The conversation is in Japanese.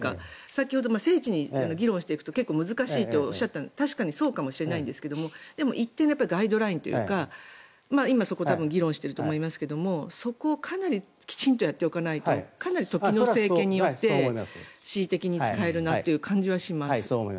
先ほど、精緻に議論していくと結構難しいとおっしゃったのは確かにそうだと思いますがでも一定のガイドラインというかそこを議論していると思いますがそこをかなりきちんとやっておかないとかなり時の政権によって恣意的に使えるなという感じはします。